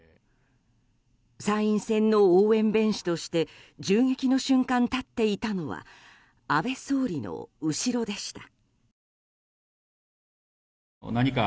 参院選の応援弁士として銃撃の瞬間、立っていたのは安倍総理の後ろでした。